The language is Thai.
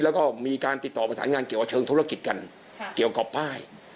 แล้วก็มีการติดต่อประสานงานเกี่ยวกับเชิงธุรกิจกันเกี่ยวกับป้าย